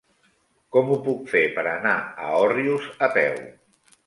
Com ho puc fer per anar a Òrrius a peu?